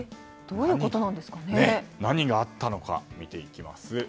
何があったのか見ていきます。